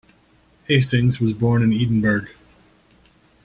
Hastings was born in Edinburgh.